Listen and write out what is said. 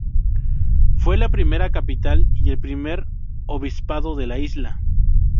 Fue la primera capital y el primer obispado de la Isla.